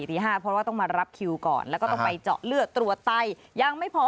ตี๕เพราะว่าต้องมารับคิวก่อนแล้วก็ต้องไปเจาะเลือดตรวจไตยังไม่พอ